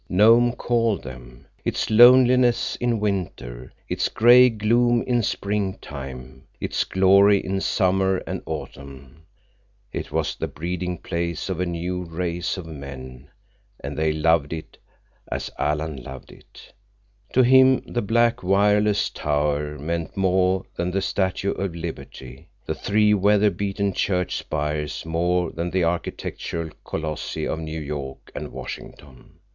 Nome called them. Its loneliness in winter. Its gray gloom in springtime. Its glory in summer and autumn. It was the breeding place of a new race of men, and they loved it as Alan loved it. To him the black wireless tower meant more than the Statue of Liberty, the three weather beaten church spires more than the architectural colossi of New York and Washington.